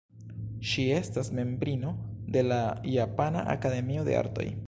Ŝi estas membrino de la Japana Akademio de Artoj.